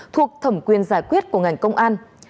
thuộc thẩm quyền giải quyết của ngành công an